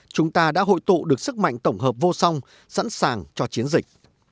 chúng ta đã hội tụ được sức mạnh tổng hợp vô song sẵn sàng cho chiến dịch